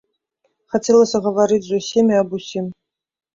Хацелася гаварыць з усімі аб усім.